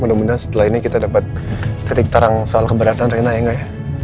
mudah mudahan setelah ini kita dapat titik tarang soal keberatan rina ya nggak